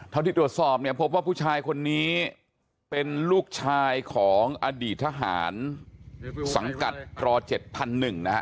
ที่ตรวจสอบเนี่ยพบว่าผู้ชายคนนี้เป็นลูกชายของอดีตทหารสังกัดรอ๗๑๐๐นะฮะ